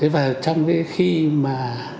và trong cái khi mà